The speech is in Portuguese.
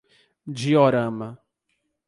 Diorama